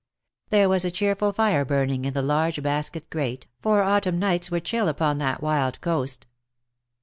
There was a cheerful fire burning in the large basket grate^ for autumn nights were chill upon that wild coast.